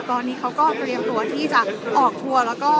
ตอนนี้เขาก็เปลี่ยนตัวที่จะออกทัวร์